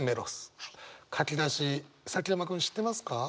書き出し崎山君知ってますか？